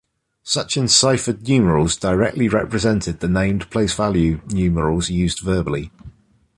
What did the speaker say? Such enciphered numerals directly represented the named place-value numerals used verbally.